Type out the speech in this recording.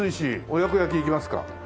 親子焼いきますか。